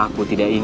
aku tidak know